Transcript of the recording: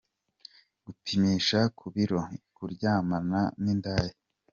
Gupimisha ku biro : kuryamana n’indaya.